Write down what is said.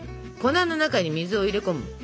粉の中に水を入れ込む。